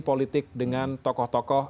politik dengan tokoh tokoh